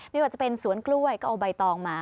ไม่ว่าจะเป็นสวนกล้วยก็เอาใบตองมา